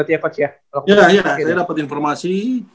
ya coach ya iya saya dapet informasi